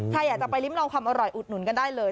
ใครอยากจะไปริ้มลองความอร่อยอุดหนุนกันได้เลย